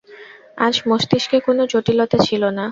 তাঁর মস্তিষ্কে কোন জটিলতা ছিল না।